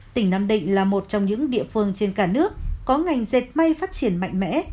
tỉnh nam định là một trong những địa phương trên cả nước có ngành dệt may phát triển mạnh mẽ